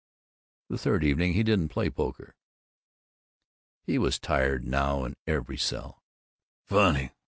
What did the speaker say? The third evening, he didn't play poker. He was tired now in every cell. "Funny!